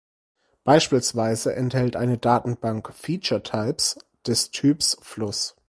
Beispielsweise enthält eine Datenbank Feature Types des Typs „Fluss“.